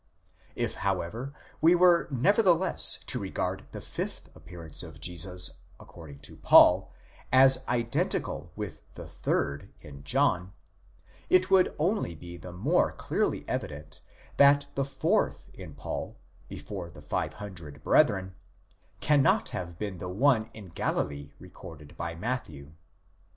If however we were neverthe less to regard the fifth appearance of Jesus according to Paul as identical with the third in John: it would only be the more clearly evident that the fourth of Paul, before the five hundred brethren, cannot have been the one in Galilee recorded by Matthew.